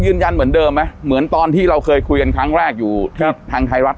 ยืนยันเหมือนเดิมไหมเหมือนตอนที่เราเคยคุยกันครั้งแรกอยู่ที่ทางไทยรัฐ